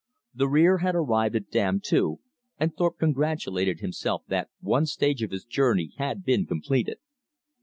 The rear had arrived at Dam Two, and Thorpe congratulated himself that one stage of his journey had been completed.